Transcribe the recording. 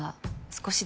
少し？